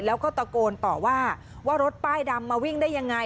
แล้วก็ตะโกนต่อว่าว่ารถป้ายดำมาวิ่งได้ยังไง